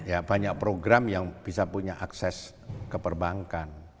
ya banyak program yang bisa punya akses ke perbankan